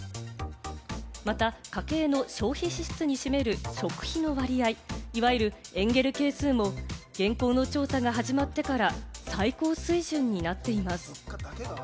また、家計の消費支出に占める食費の割合、いわゆるエンゲル係数も現行の調査が始まってから最高水準になっています。